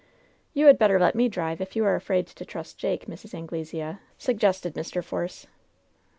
"You had better let me drive if you are afraid to trust Jake, Mrs. Anglesea,'' suggested Mr. Force.